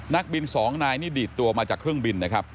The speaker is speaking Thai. นักบินสองนายนี่ดีดตัวมาจากเครื่องบินนะครับ